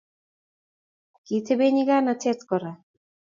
kiteb nyikanatet kora